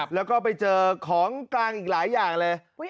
แล้วก็ไปเจอของกลางอีกหลายอย่างเลย